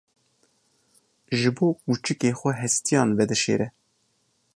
Ji bo kûçikê xwe hestiyan vedişêre.